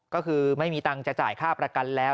ก็คือไม่มีตังค์จะจ่ายค่าประกันแล้ว